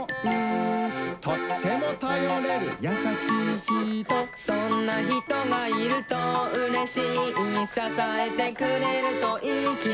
「とってもたよれるやさしいひと」「そんなひとがいるとうれしい」「ささえてくれるといいきもち」